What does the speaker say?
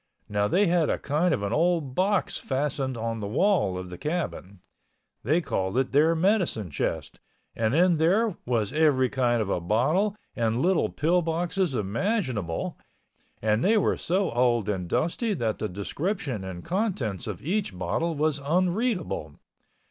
Now, they had a kind of an old box fastened on the wall of the cabin. They called it their medicine chest and in there was every kind of a bottle and little pill boxes imaginable and they were so old and dusty that the description and contents of each bottle was unreadable.